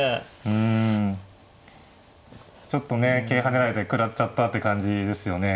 うんちょっとね桂跳ねられて食らっちゃったって感じですよね。